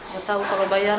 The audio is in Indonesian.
ya tau kalau bayar